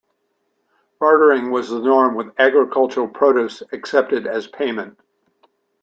Bartering was the norm, with agricultural produce accepted as payment.